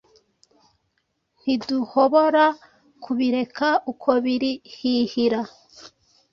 Ntiduhobora kubireka uko biri hihira